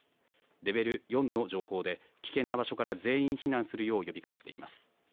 レベル４の情報で、危険な場所から全員避難するよう呼びかけています。